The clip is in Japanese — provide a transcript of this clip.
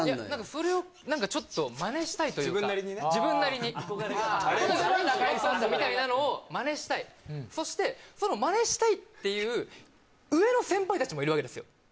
それをちょっとマネしたいというか自分なりにこれが中居さんだみたいなのをマネしたいそしてそのマネしたいっていう上の先輩たちもいるわけですよ